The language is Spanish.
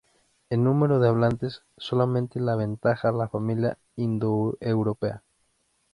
En número de hablantes, solamente la aventaja la familia indoeuropea.